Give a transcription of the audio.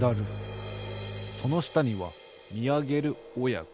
そのしたにはみあげるおやこ。